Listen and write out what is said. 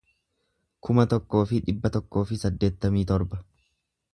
kuma tokkoo fi dhibba tokkoo fi saddeettamii torba